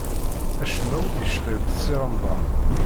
Acemma ur yecɣib Si Remḍan.